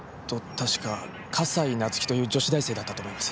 確か笠井夏生という女子大生だったと思います。